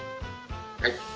はい。